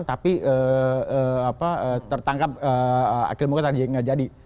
tapi tertangkap akhil mukhtar jadi nggak jadi